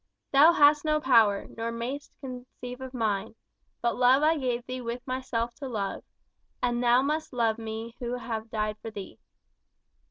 Thou hast no power, nor mayest conceive of mine; But love I gave thee with myself to love, And thou must love me who have died for thee!"